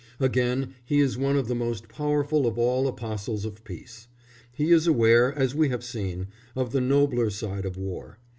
Again, he is one of the most powerful of all apostles of peace. He is aware, as we have seen, of the nobler side of war.